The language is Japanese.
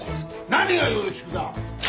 何が「よろしく」だ！